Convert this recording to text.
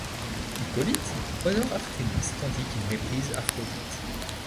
Hippolyte honore Artémis tandis qu'il méprise Aphrodite.